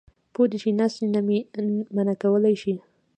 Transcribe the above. پو دې شي ناستې نه مې منع کولی شي.